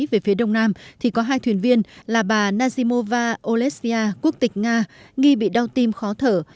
về phía đông nam thì có hai thuyền viên là bà nazimova olesya quốc tịch nga nghi bị đau tim khó thở